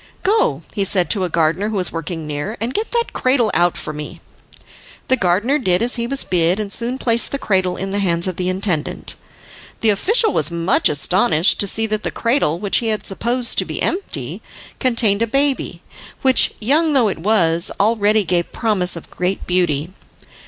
"Go," he said to a gardener who was working near, "and get that cradle out for me." The gardener did as he was bid, and soon placed the cradle in the hands of the intendant. The official was much astonished to see that the cradle, which he had supposed to be empty, contained a baby, which, young though it was, already gave promise of great beauty.